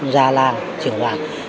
già làng trưởng làng